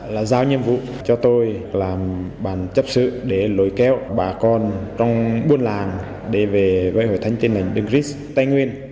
là giáo nhiệm vụ cho tôi làm bản chấp sự để lôi kéo bà con trong buôn làng để về với hội thánh tin lành đấng trích tây nguyên